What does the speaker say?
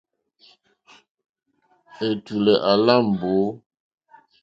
Ɛ̀tùlɛ̀ à lá mbǒ.